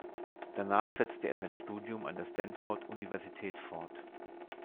Danach setzte er sein Studium an der Stanford-Universität fort.